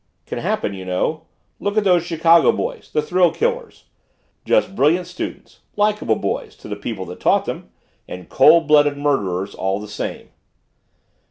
Can happen you know look at those Chicago boys the thrill killers. Just brilliant students likeable boys to the people that taught them and cold blooded murderers all the same."